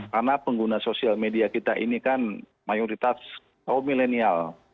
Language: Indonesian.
karena pengguna sosial media kita ini kan mayoritas kaum milenial